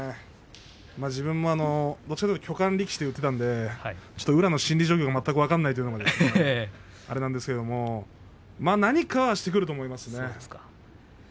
自分も巨漢力士と言っていたので宇良の心理状況が全く分からないのであれなんですけれど何かはしてくると思いますね。